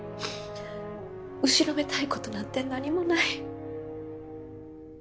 後ろめたい事なんて何もない。